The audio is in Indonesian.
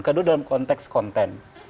kedua dalam konteks konten